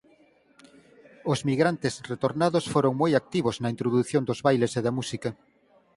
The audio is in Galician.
Os migrantes retornados foron moi activos na introdución dos bailes e da música.